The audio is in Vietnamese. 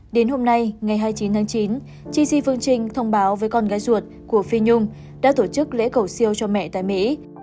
đến hôm nay ngày hai mươi chín tháng chín chi sĩ phương trinh thông báo với con gái ruột của phi nhung đã tổ chức lễ cầu siêu cho mẹ tại mỹ